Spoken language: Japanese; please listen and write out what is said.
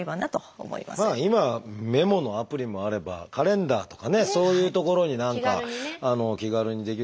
今メモのアプリもあればカレンダーとかねそういうところに何か気軽にできる。